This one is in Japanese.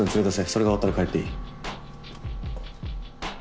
それが終わったら帰っていい。